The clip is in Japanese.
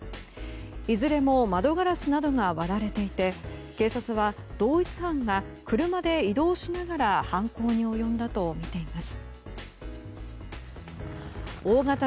いずれも窓ガラスなどが割られていて警察は、同一犯が車で移動しながら犯行に及んだとみています。